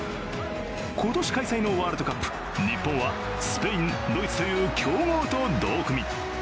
今年開催のワールドカップ、日本はスペイン、ドイツという強豪と同組。